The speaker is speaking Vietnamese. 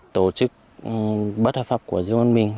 tổ chức bất hợp pháp của dương văn mình